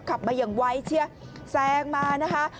ขับมาอย่างไวเชียแซงมานะคะ